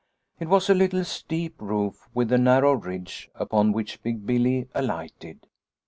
" It was a little, steep roof with a narrow ridge upon which Big Billy alighted.